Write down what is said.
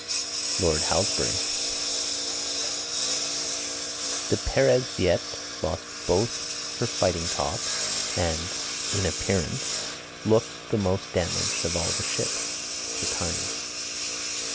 Lord Halsbury. The Peresviet lost both her fighting tops and (in appearance) looked the most damaged of all the ships The Times.